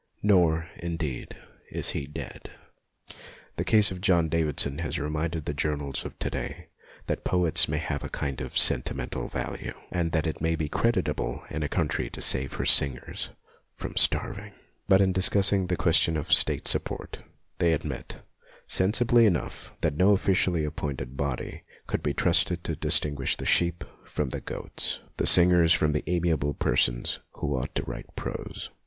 Nor, indeed, is he dead. The case of John Davidson has reminded the journals of to day that poets may have a kind of sentimental value, and that it may be creditable in a country to save her singers from starving. But in discussing the PENSIONS FOR POETS 69 question of State support, they admit, sensibly enough, that no officially appointed body could be trusted to distinguish the sheep from the goats, the singers from the amiable persons who ought to write prose.